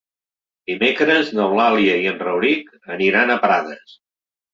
Dimecres n'Eulàlia i en Rauric aniran a Prades.